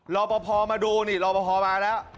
รอปภมาดูนี่รอปภมาแล้ว